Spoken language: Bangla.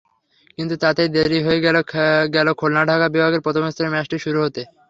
কিন্তু তাতেই দেরি হয়ে গেল খুলনা-ঢাকা বিভাগের প্রথম স্তরের ম্যাচটি শুরু হতে।